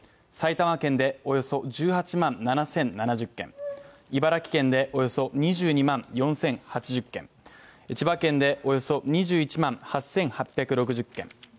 埼玉県でおよそ１８万７０７０軒、茨城県でおよそ２２万４０８０軒、千葉県でおよそ２１万８８６０軒